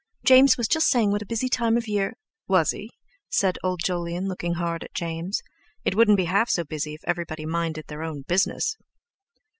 James was just saying what a busy time of year...." "Was he?" said old Jolyon, looking hard at James. "It wouldn't be half so busy if everybody minded their own business."